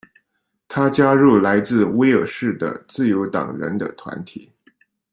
他加入来自威尔士的自由党人的团体。